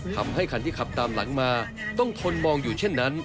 ทำให้คันที่ขับตามหลังมาต้องทนมองอยู่เช่นนั้น